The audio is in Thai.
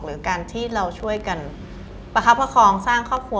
หรือการที่เราช่วยกันประคับประคองสร้างครอบครัว